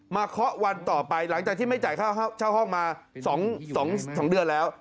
เคาะวันต่อไปหลังจากที่ไม่จ่ายค่าเช่าห้องมา๒เดือนแล้ว